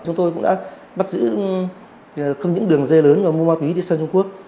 chúng tôi cũng đã bắt giữ không những đường dê lớn mà mua ma túy đi sân trung quốc